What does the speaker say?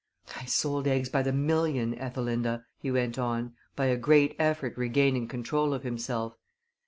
"I sold eggs by the million, Ethelinda," he went on, by a great effort regaining control of himself.